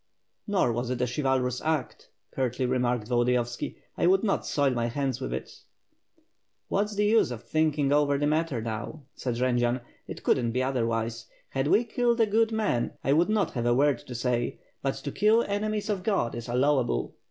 "Nor was it a chivalrous act," curtly remarked Volodi yovski. "I would not soil my hands with it." "What^s the use of thinking over the matter now," said Jendzian. "It couldn't be otherwise. Had we killed a good man, I would not have a word to say, but to kill enemies of God is allowable.